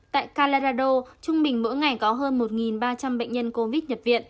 tại calarado trung bình mỗi ngày có hơn một ba trăm linh bệnh nhân covid nhập viện